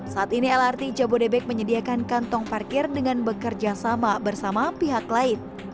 saat ini lrt jabodebek menyediakan kantong parkir dengan bekerja sama bersama pihak lain